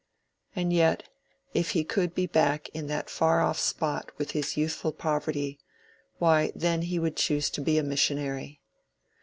And yet—if he could be back in that far off spot with his youthful poverty—why, then he would choose to be a missionary.